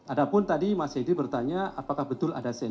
adapun tadi mas yedi bertanya apakah betul ada perbedaan